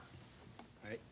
はい。